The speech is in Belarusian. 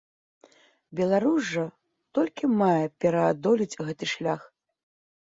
Беларусь жа толькі мае пераадолець гэты шлях.